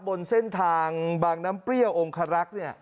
บนเส้นทางบางน้ำเปรี้ยวองคารักษ์เนี่ย